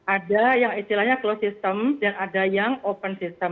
ada yang istilahnya closed system dan ada yang open system